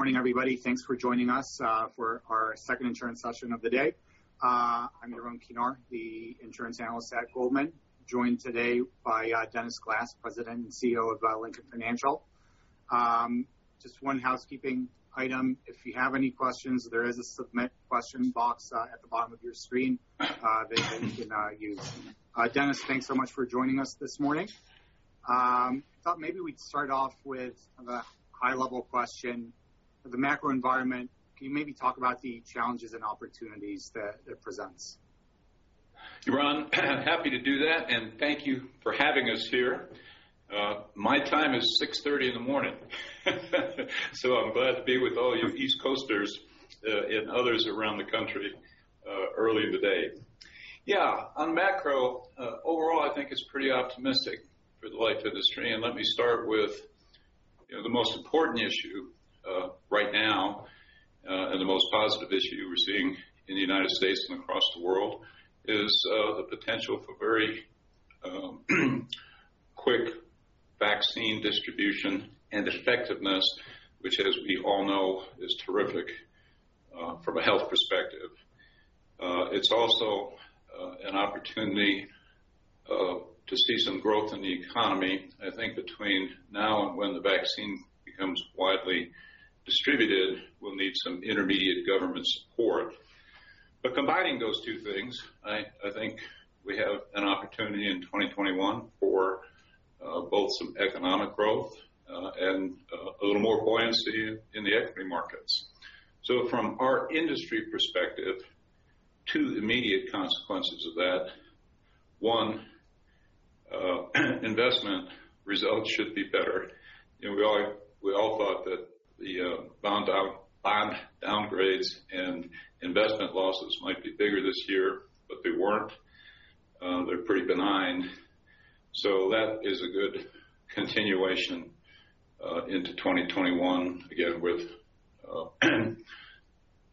Morning, everybody. Thanks for joining us for our second insurance session of the day. I'm Yaron Kinar, the insurance analyst at Goldman, joined today by Dennis Glass, President and CEO of Lincoln Financial. Just one housekeeping item. If you have any questions, there is a submit question box at the bottom of your screen that you can use. Dennis, thanks so much for joining us this morning. Thought maybe we'd start off with a high-level question. The macro environment, can you maybe talk about the challenges and opportunities that it presents? Yaron, happy to do that, and thank you for having us here. My time is 6:30 A.M. in the morning. I'm glad to be with all you East Coasters, and others around the country, early today. Yeah. On macro, overall, I think it's pretty optimistic for the life industry. Let me start with the most important issue right now, and the most positive issue we're seeing in the United States and across the world is the potential for very quick vaccine distribution and effectiveness, which, as we all know, is terrific from a health perspective. It's also an opportunity to see some growth in the economy. I think between now and when the vaccine becomes widely distributed, we'll need some intermediate government support. Combining those two things, I think we have an opportunity in 2021 for both some economic growth and a little more buoyancy in the equity markets. From our industry perspective, two immediate consequences of that. One, investment results should be better. We all thought that the bond downgrades and investment losses might be bigger this year, but they weren't. They're pretty benign. That is a good continuation into 2021, again, with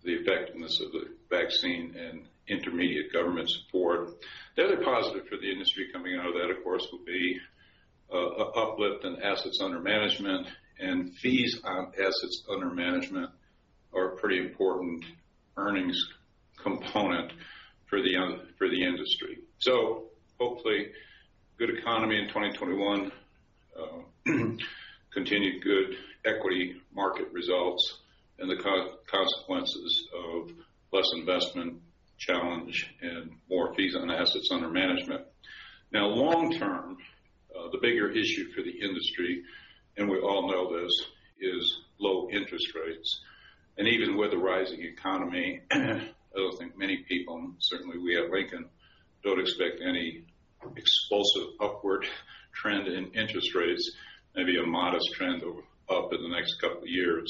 the effectiveness of the vaccine and intermediate government support. The other positive for the industry coming out of that, of course, will be uplift in assets under management, and fees on assets under management are a pretty important earnings component for the industry. Hopefully, good economy in 2021. Continued good equity market results and the consequences of less investment challenge and more fees on assets under management. Long-term, the bigger issue for the industry, and we all know this, is low interest rates. Even with a rising economy, I don't think many people, certainly we at Lincoln, don't expect any explosive upward trend in interest rates, maybe a modest trend up in the next couple of years.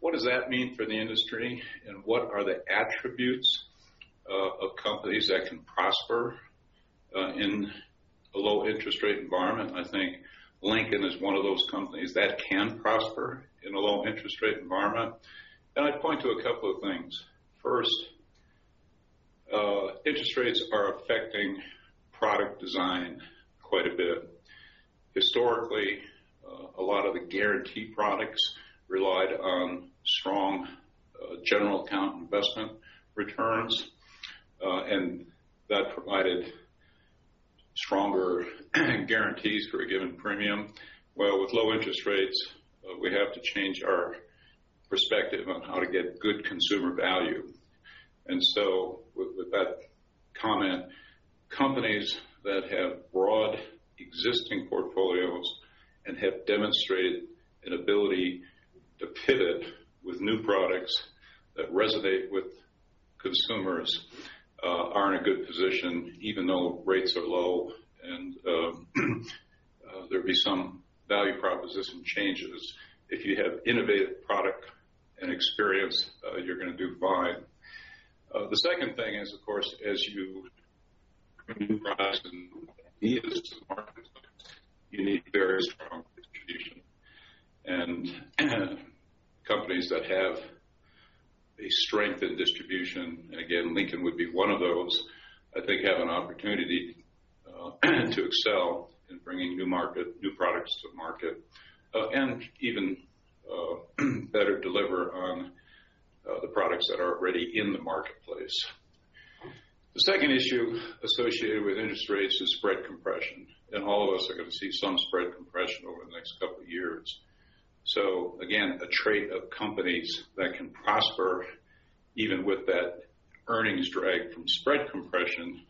What does that mean for the industry, and what are the attributes of companies that can prosper in a low interest rate environment? I think Lincoln is one of those companies that can prosper in a low interest rate environment, and I'd point to a couple of things. First, interest rates are affecting product design quite a bit. Historically, a lot of the guarantee products relied on strong general account investment returns, and that provided stronger guarantees for a given premium. Well, with low interest rates, we have to change our perspective on how to get good consumer value. With that comment, companies that have broad existing portfolios and have demonstrated an ability to pivot with new products that resonate with consumers are in a good position, even though rates are low and there'll be some value proposition changes. If you have innovative product and experience, you're going to do fine. The second thing is, of course, as you need very strong distribution. Companies that have a strength in distribution, and again, Lincoln would be one of those, I think have an opportunity to excel in bringing new products to market, and even better deliver on the products that are already in the marketplace. The second issue associated with interest rates is spread compression, all of us are going to see some spread compression over the next couple of years. Again, a trait of companies that can prosper, even with that earnings drag from spread compression,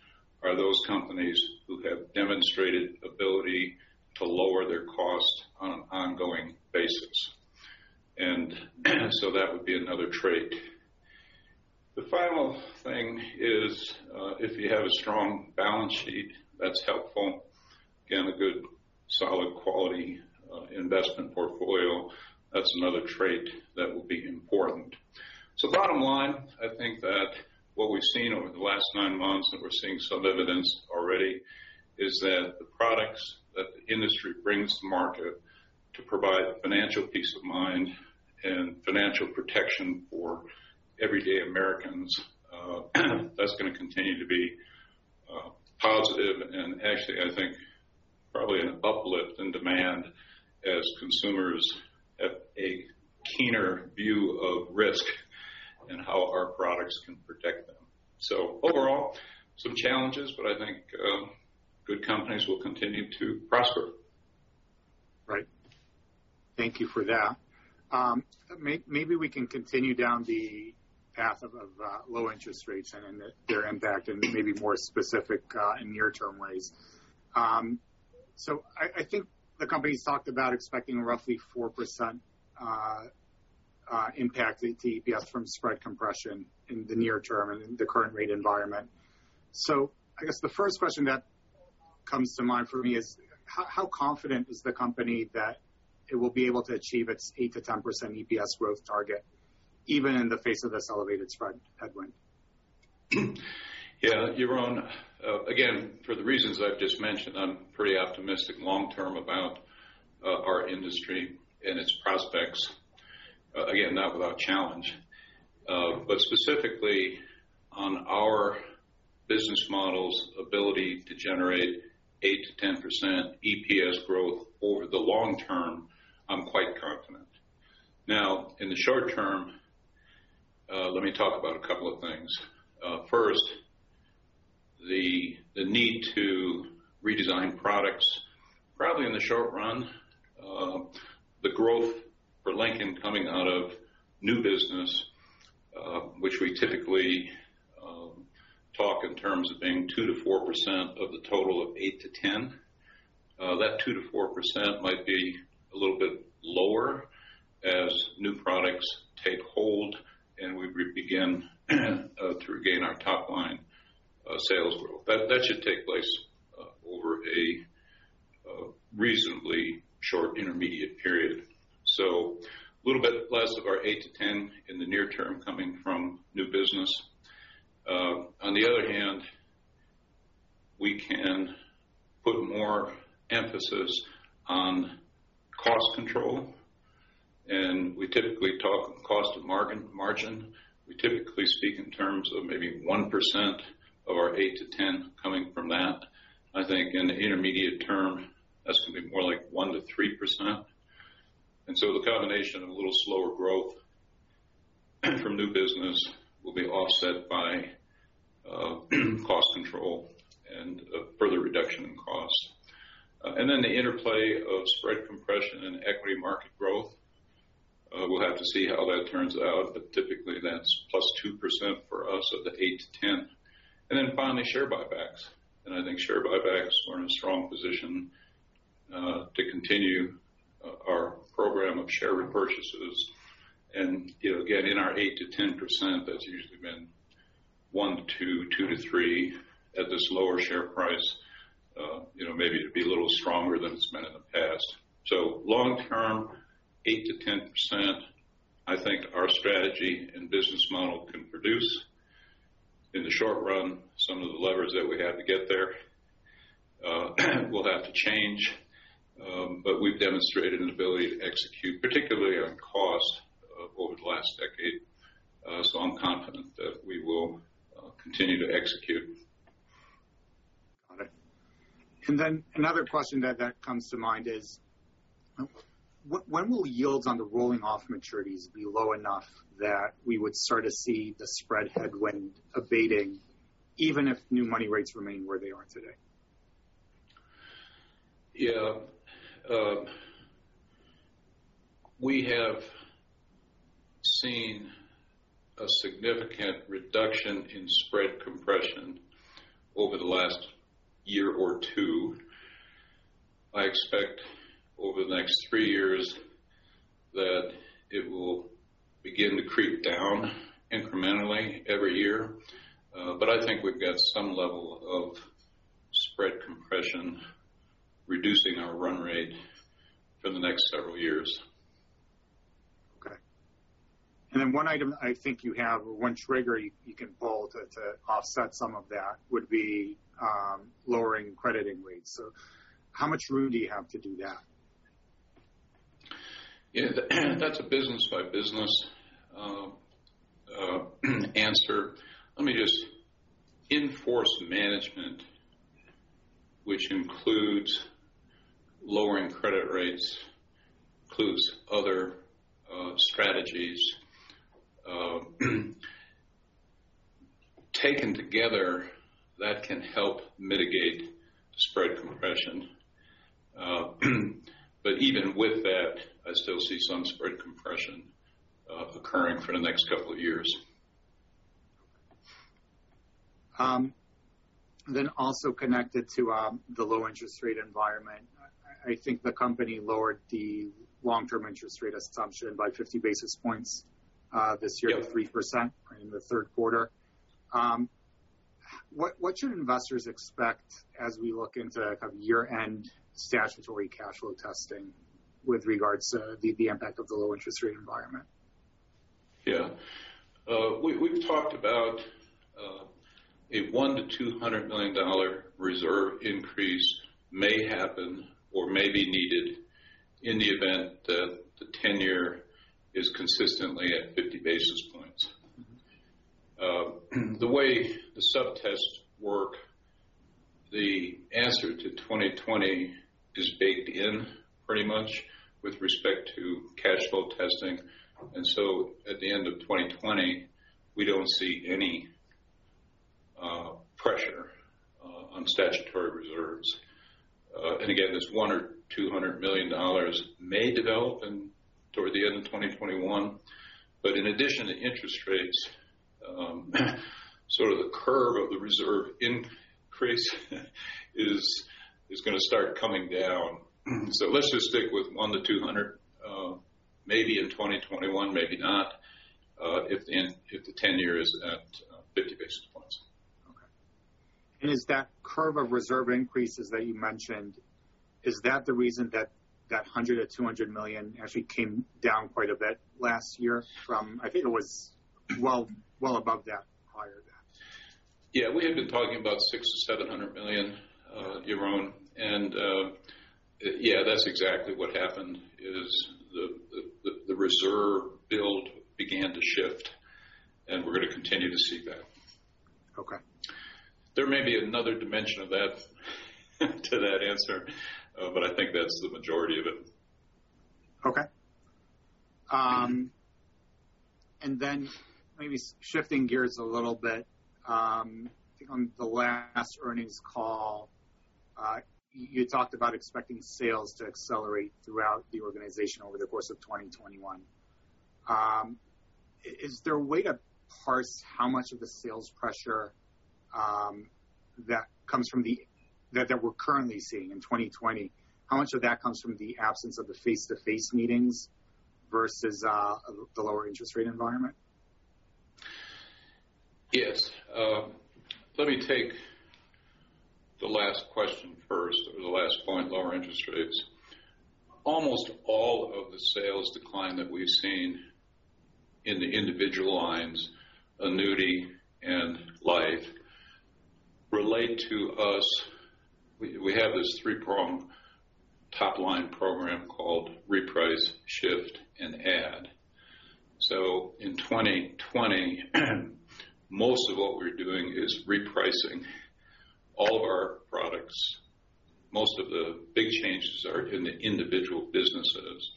are those companies who have demonstrated ability to lower their cost on an ongoing basis. That would be another trait. The final thing is, if you have a strong balance sheet, that's helpful. Again, a good, solid, quality investment portfolio, that's another trait that will be important. Bottom line, I think that what we've seen over the last nine months, and we're seeing some evidence already, is that the products that the industry brings to market to provide financial peace of mind and financial protection for everyday Americans, that's going to continue to be positive. Actually, probably an uplift in demand as consumers have a keener view of risk and how our products can protect them. Overall, some challenges, I think good companies will continue to prosper. Right. Thank you for that. Maybe we can continue down the path of low interest rates and their impact in maybe more specific, near-term ways. I think the company's talked about expecting roughly 4% impact to EPS from spread compression in the near term in the current rate environment. I guess the first question that comes to mind for me is how confident is the company that it will be able to achieve its 8%-10% EPS growth target, even in the face of this elevated spread headwind? Yeah, Yaron, again, for the reasons I've just mentioned, I'm pretty optimistic long-term about our industry and its prospects. Again, not without challenge. Specifically on our business model's ability to generate 8%-10% EPS growth over the long term, I'm quite confident. Now, in the short term, let me talk about a couple of things. First, the need to redesign products. Probably in the short run, the growth for Lincoln coming out of new business, which we typically talk in terms of being 2%-4% of the total of 8 to 10. That 2%-4% might be a little bit lower as new products take hold and we begin to regain our top line sales growth. That should take place over a reasonably short intermediate period. A little bit less of our 8%-10% in the near term coming from new business. On the other hand, we can put more emphasis on cost control, and we typically talk cost of margin. We typically speak in terms of maybe 1% of our 8%-10% coming from that. I think in the intermediate-term, that's going to be more like 1%-3%. The combination of a little slower growth from new business will be offset by cost control and a further reduction in cost. The interplay of spread compression and equity market growth, we'll have to see how that turns out. Typically, that's +2% for us of the 8%-10%. Finally, share buybacks. I think share buybacks are in a strong position to continue our program of share repurchases. Again, in our 8%-10%, that's usually been 1%-2%, 2%-3% at this lower share price. Maybe it'd be a little stronger than it's been in the past. Long-term, 8%-10%, I think our strategy and business model can produce. In the short-run, some of the levers that we have to get there will have to change. We've demonstrated an ability to execute, particularly on cost, over the last decade. I'm confident that we will continue to execute. Got it. Another question that comes to mind is when will yields on the rolling off maturities be low enough that we would start to see the spread headwind abating, even if new money rates remain where they are today? Yeah. We have seen a significant reduction in spread compression over the last year or two. I expect over the next three years that it will begin to creep down incrementally every year. I think we've got some level of spread compression reducing our run rate for the next several years. Okay. One item I think you have, or one trigger you can pull to offset some of that would be lowering crediting rates. How much room do you have to do that? Yeah. That's a business-by-business answer. Let me just in-force management, which includes lowering credit rates, includes other strategies. Taken together, that can help mitigate spread compression. Even with that, I still see some spread compression occurring for the next couple of years. Also connected to the low interest rate environment. I think the company lowered the long-term interest rate assumption by 50 basis points this year to 3% in the third quarter. What should investors expect as we look into kind of year-end statutory cash flow testing with regards to the impact of the low interest rate environment? Yeah. We've talked about a $100 million to $200 million reserve increase may happen or may be needed in the event that the 10-year is consistently at 50 basis points. The way the sub-tests work, the answer to 2020 is baked in pretty much with respect to cash flow testing. So at the end of 2020, we don't see any pressure on statutory reserves. Again, this $100 million or $200 million may develop toward the end of 2021. In addition to interest rates, sort of the curve of the reserve increase is going to start coming down. So let's just stick with 100 to 200, maybe in 2021, maybe not, if the 10-year is at 50 basis points. Okay. Is that curve of reserve increases that you mentioned, is that the reason that $100 million or $200 million actually came down quite a bit last year from, I think it was well above that prior to that. Yeah. We had been talking about $600 million to $700 million, Yaron. Yeah, that's exactly what happened, is the reserve build began to shift, we're going to continue to see that. Okay. There may be another dimension to that answer, I think that's the majority of it. Maybe shifting gears a little bit, I think on the last earnings call, you talked about expecting sales to accelerate throughout the organization over the course of 2021. Is there a way to parse how much of the sales pressure that we're currently seeing in 2020, how much of that comes from the absence of the face-to-face meetings versus the lower interest rate environment? Yes. Let me take the last question first or the last point, lower interest rates. Almost all of the sales decline that we've seen in the individual lines, annuity and life relate to us. We have this three-prong top-line program called reprice, shift, and add. In 2020, most of what we're doing is repricing all of our products. Most of the big changes are in the individual businesses.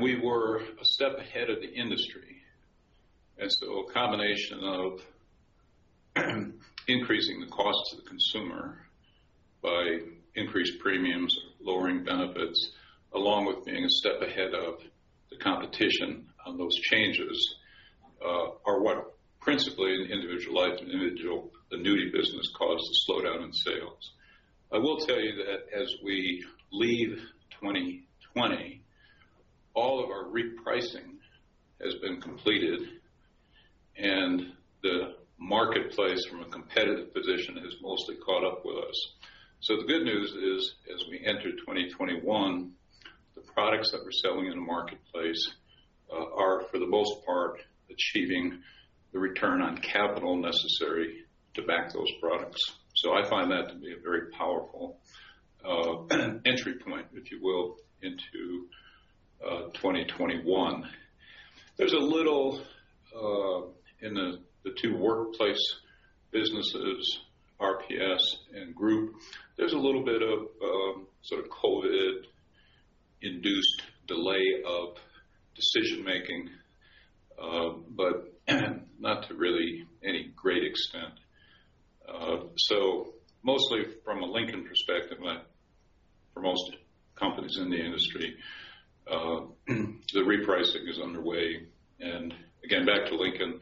We were a step ahead of the industry as to a combination of increasing the cost to the consumer by increased premiums, lowering benefits, along with being a step ahead of the competition on those changes are what principally in the individual life and individual annuity business caused a slowdown in sales. I will tell you that as we leave 2020, all of our repricing has been completed, and the marketplace from a competitive position has mostly caught up with us. The good news is, as we enter 2021, the products that we're selling in the marketplace are, for the most part, achieving the return on capital necessary to back those products. I find that to be a very powerful entry point, if you will, into 2021. In the two workplace businesses, RPS and Group, there's a little bit of sort of COVID-induced delay of decision-making, but not to really any great extent. Mostly from a Lincoln perspective, for most companies in the industry, the repricing is underway. Again, back to Lincoln,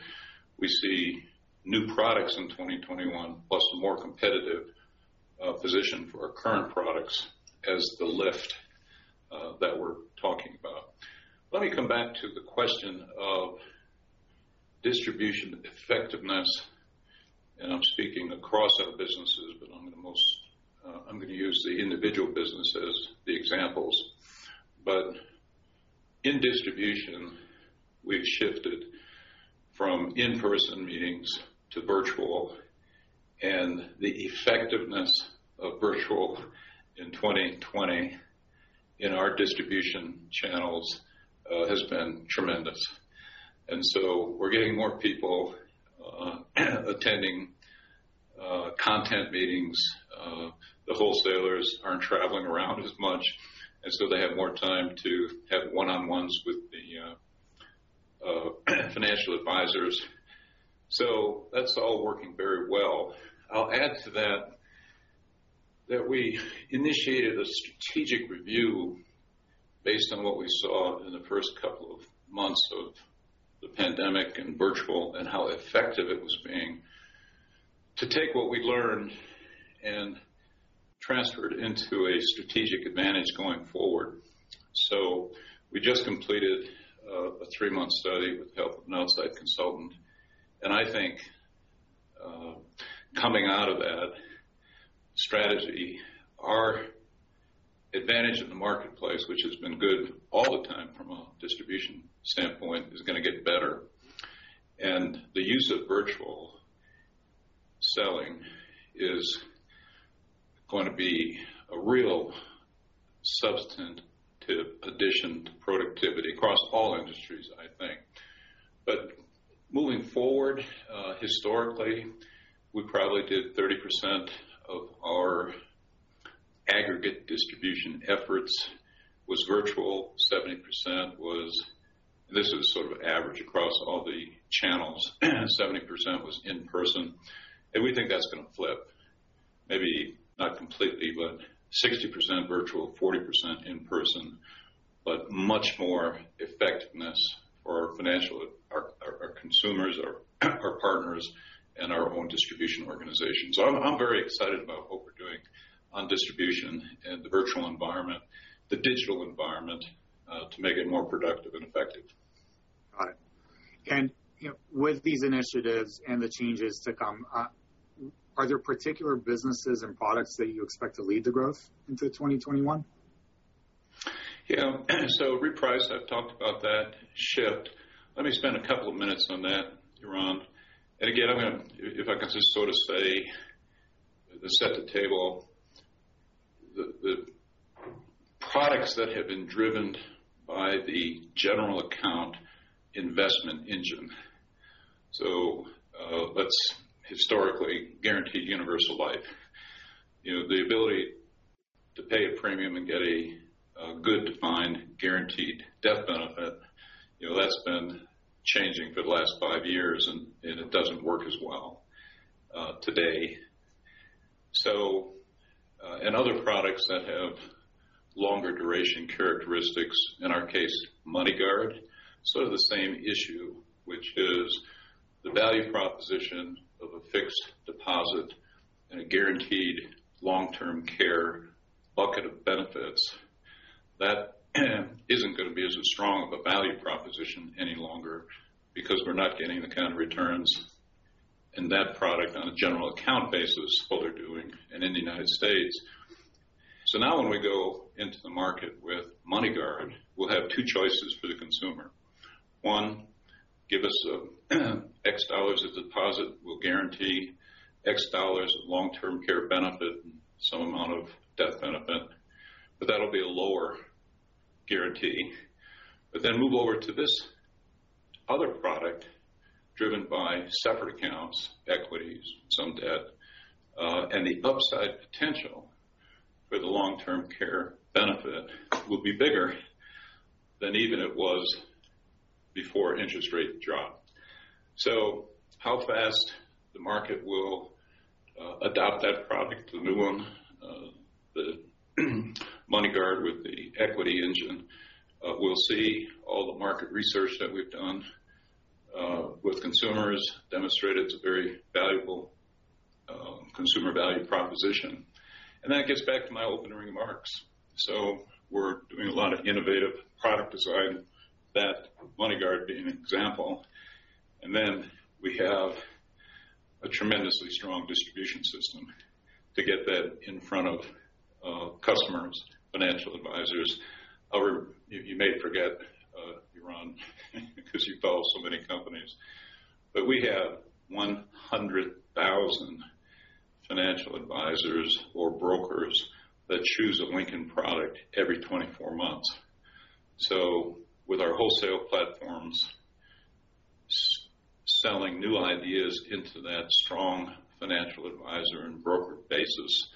we see new products in 2021 plus a more competitive position for our current products as the lift that we're talking about. Let me come back to the question of distribution effectiveness, and I'm speaking across our businesses, but I'm going to use the individual businesses, the examples. In distribution, we've shifted from in-person meetings to virtual, and the effectiveness of virtual in 2020 in our distribution channels has been tremendous. We're getting more people attending content meetings. The wholesalers aren't traveling around as much, and so they have more time to have one-on-ones with the financial advisors. That's all working very well. I'll add to that we initiated a strategic review based on what we saw in the first couple of months of the pandemic and virtual and how effective it was being to take what we learned and transfer it into a strategic advantage going forward. We just completed a three-month study with the help of an outside consultant. I think coming out of that strategy, our advantage in the marketplace, which has been good all the time from a distribution standpoint, is going to get better. The use of virtual selling is going to be a real substantive addition to productivity across all industries, I think. Moving forward, historically, we probably did 30% of our aggregate distribution efforts was virtual. This is sort of average across all the channels. 70% was in-person, and we think that's going to flip. Maybe not completely, but 60% virtual, 40% in-person, but much more effectiveness for our consumers, our partners, and our own distribution organization. I'm very excited about what we're doing on distribution and the virtual environment, the digital environment, to make it more productive and effective. Got it. With these initiatives and the changes to come, are there particular businesses and products that you expect to lead the growth into 2021? Yeah. Reprice, I've talked about that shift. Let me spend a couple of minutes on that, Yaron. Again, if I could just sort of say, to set the table, the products that have been driven by the general account investment engine. That's historically guaranteed universal life. The ability to pay a premium and get a good defined guaranteed death benefit, that's been changing for the last five years, and it doesn't work as well today. In other products that have longer duration characteristics, in our case, Lincoln MoneyGuard, sort of the same issue, which is the value proposition of a fixed deposit and a guaranteed long-term care bucket of benefits. That isn't going to be as a strong of a value proposition any longer because we're not getting the kind of returns in that product on a general account basis, what they're doing in the U.S. Now when we go into the market with Lincoln MoneyGuard, we'll have two choices for the consumer. One, give us $X of deposit, we'll guarantee $X of long-term care benefit and some amount of death benefit, but that'll be a lower guarantee. Move over to this other product driven by separate accounts, equities, some debt, and the upside potential for the long-term care benefit will be bigger than even it was before interest rates dropped. How fast the market will adopt that product, the new one, the Lincoln MoneyGuard with the equity engine, we'll see. All the market research that we've done with consumers demonstrated it's a very valuable consumer value proposition. That gets back to my opening remarks. We're doing a lot of innovative product design, that MoneyGuard being an example, and then we have a tremendously strong distribution system to get that in front of customers, financial advisors. However, you may forget, Yaron, because you follow so many companies, but we have 100,000 financial advisors or brokers that choose a Lincoln product every 24 months. With our wholesale platforms, selling new ideas into that strong financial advisor and broker basis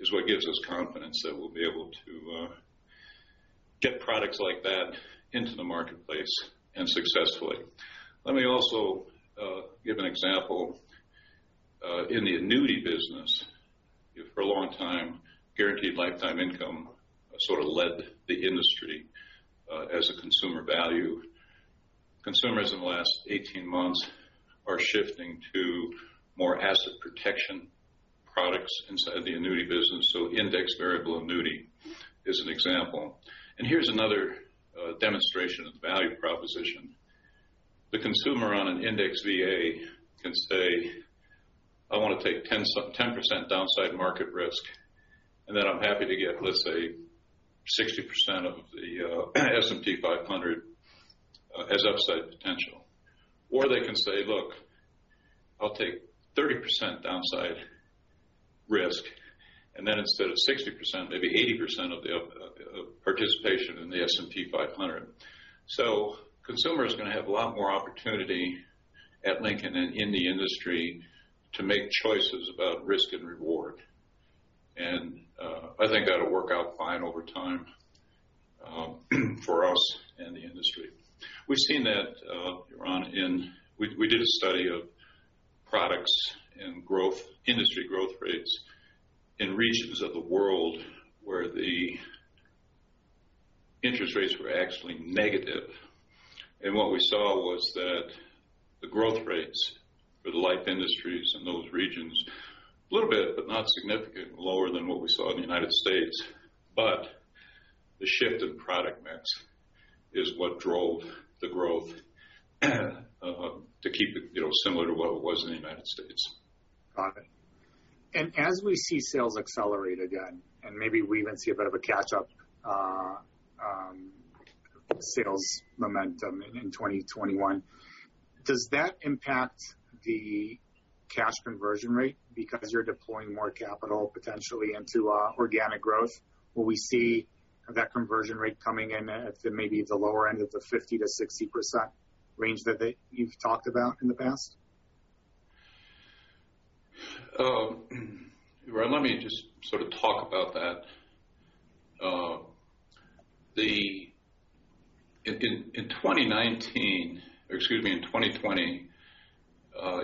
is what gives us confidence that we'll be able to get products like that into the marketplace and successfully. Let me also give an example. In the annuity business, for a long time, guaranteed lifetime income sort of led the industry as a consumer value. Consumers in the last 18 months are shifting to more asset protection products inside the annuity business, index variable annuity is an example. Here's another demonstration of the value proposition. The consumer on an Index VA can say, "I want to take 10% downside market risk, and then I'm happy to get, let's say, 60% of the S&P 500 as upside potential." Or they can say, "Look, I'll take 30% downside risk, and then instead of 60%, maybe 80% of participation in the S&P 500." Consumer is going to have a lot more opportunity at Lincoln and in the industry to make choices about risk and reward. I think that'll work out fine over time for us and the industry. We've seen that, Yaron, We did a study of products and industry growth rates in regions of the world where the interest rates were actually negative. What we saw was that the growth rates for the life industries in those regions, a little bit, but not significant, lower than what we saw in the U.S. The shift in product mix is what drove the growth to keep it similar to what it was in the U.S. Got it. As we see sales accelerate again, and maybe we even see a bit of a catch-up sales momentum in 2021, does that impact the cash conversion rate because you're deploying more capital potentially into organic growth? Will we see that conversion rate coming in at maybe the lower end of the 50%-60% range that you've talked about in the past? Let me just sort of talk about that. In 2020,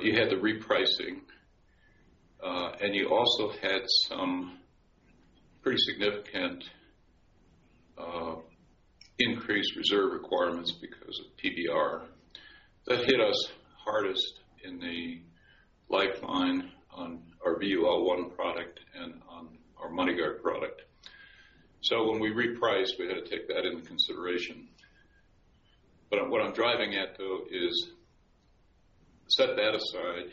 you had the repricing, and you also had some pretty significant increased reserve requirements because of PBR. That hit us hardest in the life line on our VUL1 product and on our MoneyGuard product. When we repriced, we had to take that into consideration. What I'm driving at though is, set that aside,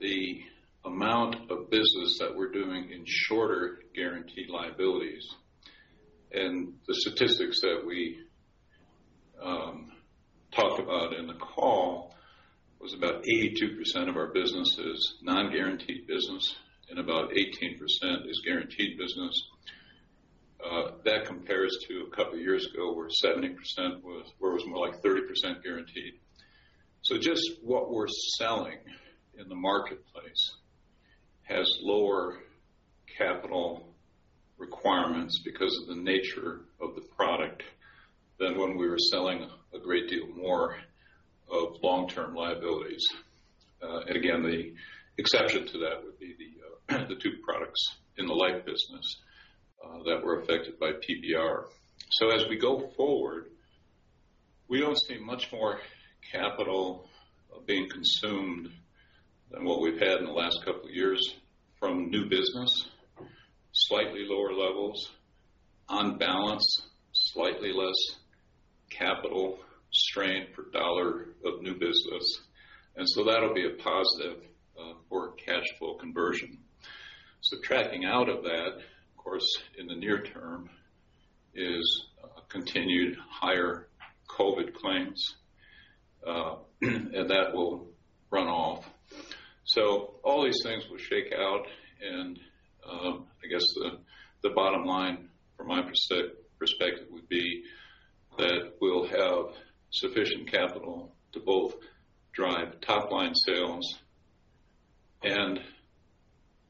the amount of business that we're doing in shorter guaranteed liabilities, and the statistics that we talked about in the call was about 82% of our business is non-guaranteed business and about 18% is guaranteed business. That compares to a couple of years ago where it was more like 30% guaranteed. Just what we're selling in the marketplace has lower capital requirements because of the nature of the product than when we were selling a great deal more of long-term liabilities. Again, the exception to that would be the two products in the life business that were affected by PBR. As we go forward, we don't see much more capital being consumed than what we've had in the last couple of years from new business, slightly lower levels. On balance, slightly less capital strain per dollar of new business. That'll be a positive for cash flow conversion. Subtracting out of that, of course, in the near term is continued higher COVID claims, and that will run off. All these things will shake out and I guess the bottom line from my perspective would be that we'll have sufficient capital to both drive top-line sales and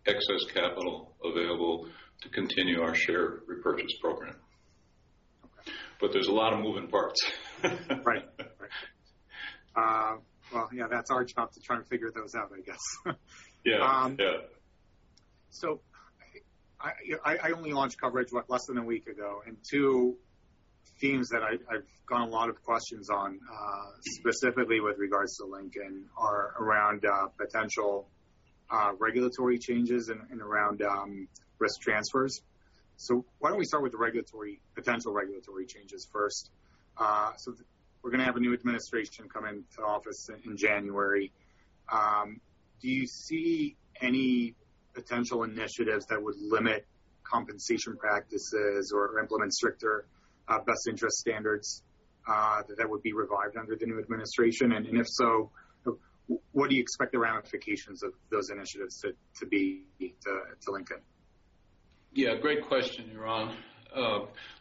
excess capital available to continue our share repurchase program. Okay. There's a lot of moving parts. Right. Well, yeah, that's our job to try and figure those out, I guess. Yeah. I only launched coverage less than a week ago, and two themes that I have gotten a lot of questions on, specifically with regards to Lincoln, are around potential regulatory changes and around risk transfers. Why don't we start with the potential regulatory changes first? We are going to have a new administration come into office in January. Do you see any potential initiatives that would limit compensation practices or implement stricter best interest standards that would be revived under the new administration? And if so, what do you expect the ramifications of those initiatives to be to Lincoln? Great question, Yaron.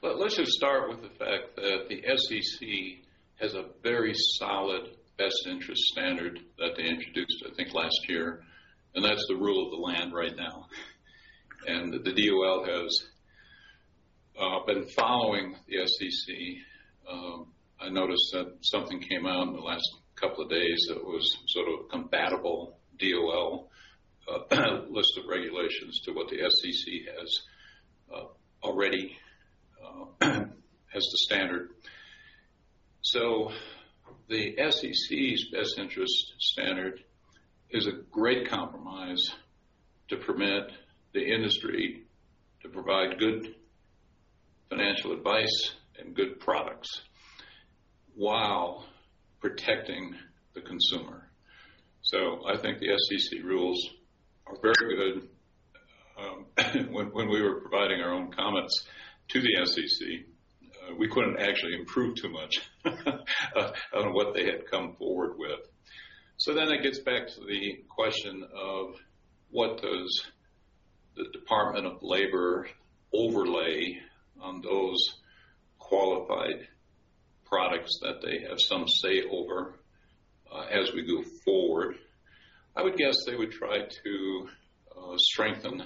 Let us just start with the fact that the SEC has a very solid best interest standard that they introduced, I think, last year, and that is the rule of the land right now. The DOL has been following the SEC. I noticed that something came out in the last couple of days that was sort of a compatible DOL list of regulations to what the SEC has already as the standard. The SEC's best interest standard is a great compromise to permit the industry to provide good financial advice and good products while protecting the consumer. I think the SEC rules are very good. When we were providing our own comments to the SEC, we couldn't actually improve too much on what they had come forward with. It gets back to the question of what does the Department of Labor overlay on those qualified products that they have some say over as we go forward. I would guess they would try to strengthen,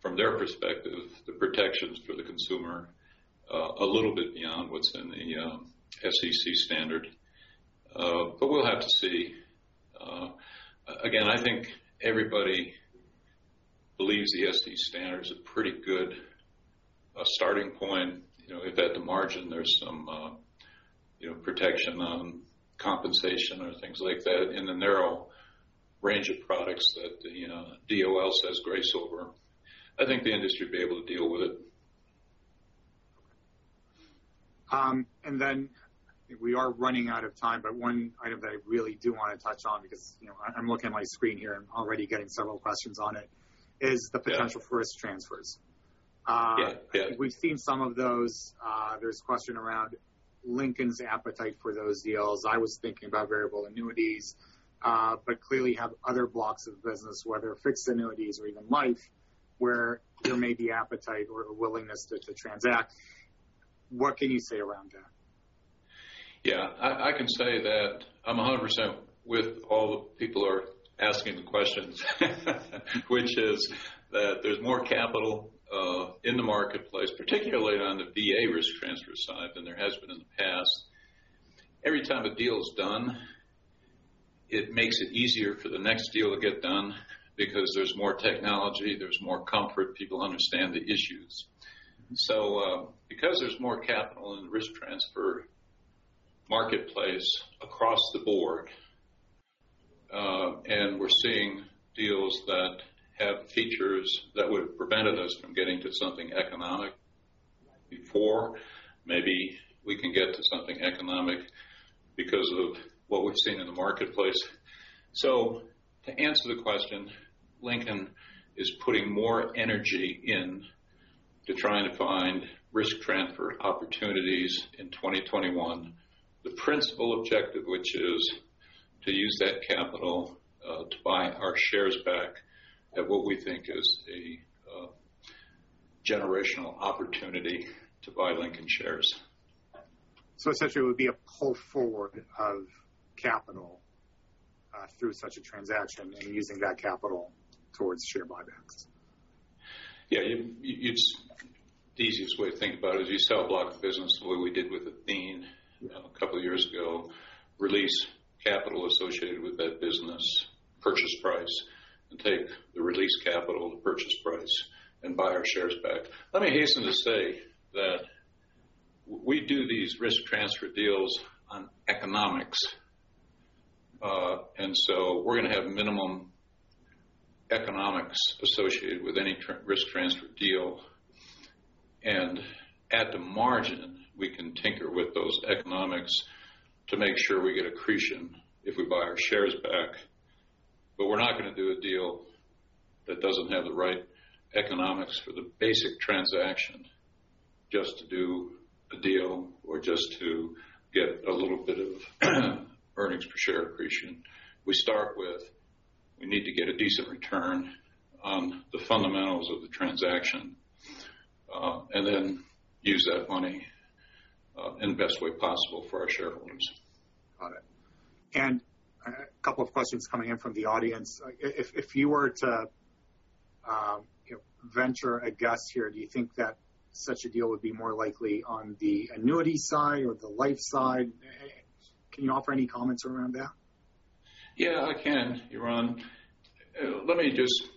from their perspective, the protections for the consumer a little bit beyond what is in the SEC standard. But we will have to see. I think everybody believes the SEC standard is a pretty good starting point. If at the margin there is some protection on compensation or things like that in the narrow range of products that DOL says grace over, I think the industry would be able to deal with it. We are running out of time, but one item that I really do want to touch on because I am looking at my screen here and already getting several questions on it, is the potential- Yeah for risk transfers. Yeah. We've seen some of those. There's a question around Lincoln's appetite for those deals. I was thinking about variable annuities, but clearly have other blocks of business, whether fixed annuities or even life, where there may be appetite or a willingness to transact. What can you say around that? Yeah. I can say that I'm 100% with all the people who are asking the questions which is that there's more capital in the marketplace, particularly on the VA risk transfer side, than there has been in the past. Every time a deal is done, it makes it easier for the next deal to get done because there's more technology, there's more comfort, people understand the issues. Because there's more capital in the risk transfer marketplace across the board, and we're seeing deals that have features that would've prevented us from getting to something economic before, maybe we can get to something economic because of what we've seen in the marketplace. To answer the question, Lincoln is putting more energy into trying to find risk transfer opportunities in 2021. The principal objective which is to use that capital, to buy our shares back at what we think is a generational opportunity to buy Lincoln shares. Essentially it would be a pull forward of capital through such a transaction and using that capital towards share buybacks. The easiest way to think about it is you sell a block of business the way we did with Athene a couple of years ago, release capital associated with that business purchase price, and take the released capital, the purchase price, and buy our shares back. Let me hasten to say that we do these risk transfer deals on economics. We're going to have minimum economics associated with any risk transfer deal. At the margin, we can tinker with those economics to make sure we get accretion if we buy our shares back. We're not going to do a deal that doesn't have the right economics for the basic transaction just to do a deal or just to get a little bit of earnings per share accretion. We start with we need to get a decent return on the fundamentals of the transaction, and then use that money in the best way possible for our shareholders. Got it. A couple of questions coming in from the audience. If you were to venture a guess here, do you think that such a deal would be more likely on the annuity side or the life side? Can you offer any comments around that? I can, Ron. Let me just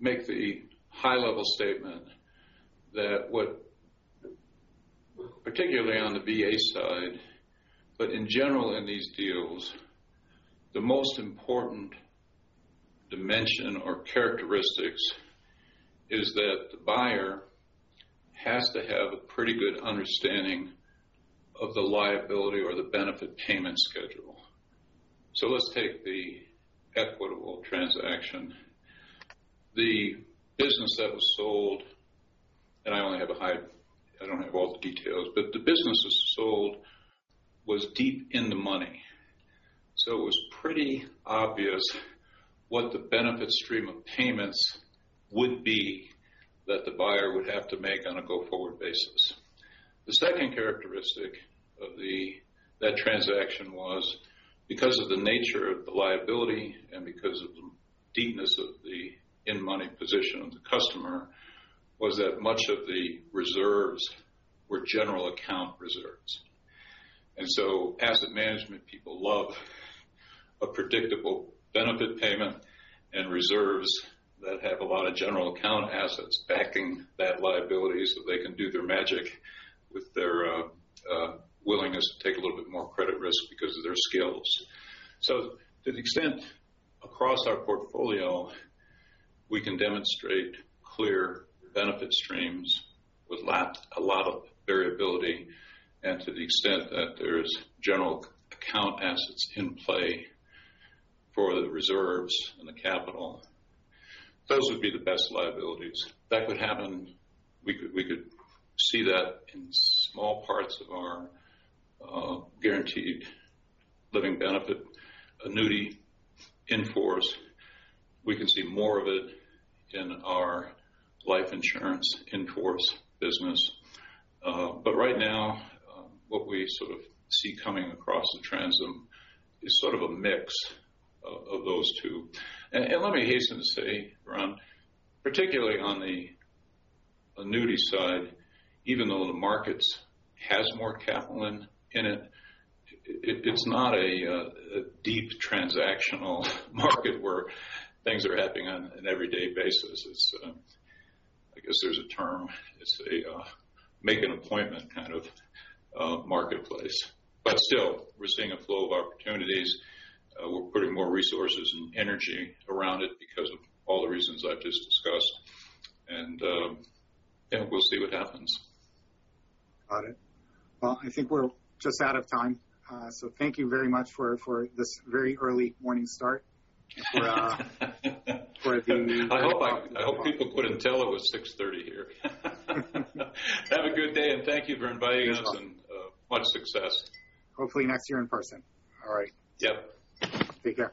make the high-level statement that what, particularly on the VA side, but in general in these deals, the most important dimension or characteristics is that the buyer has to have a pretty good understanding of the liability or the benefit payment schedule. Let's take the Equitable transaction. The business that was sold, and I don't have all the details, but the business that was sold was deep in the money. It was pretty obvious what the benefit stream of payments would be that the buyer would have to make on a go-forward basis. The second characteristic of that transaction was because of the nature of the liability and because of the deepness of the in-money position of the customer, was that much of the reserves were general account reserves. Asset management people love a predictable benefit payment and reserves that have a lot of general account assets backing that liability so they can do their magic with their willingness to take a little bit more credit risk because of their skills. To the extent across our portfolio we can demonstrate clear benefit streams with a lot of variability and to the extent that there's general account assets in play for the reserves and the capital, those would be the best liabilities. That could happen. We could see that in small parts of our guaranteed living benefit annuity in-force. We can see more of it in our life insurance in-force business. Right now, what we sort of see coming across the transom is sort of a mix of those two. Let me hasten to say, Yaron, particularly on the annuity side, even though the markets has more capital in it's not a deep transactional market where things are happening on an everyday basis. I guess there's a term, it's a make an appointment kind of marketplace. Still, we're seeing a flow of opportunities. We're putting more resources and energy around it because of all the reasons I've just discussed. We'll see what happens. Got it. I think we're just out of time. Thank you very much for this very early morning start. I hope people couldn't tell it was 6:30 A.M. here. Have a good day, and thank you for inviting us. Of course. Much success. Hopefully next year in person. All right. Yep. Take care.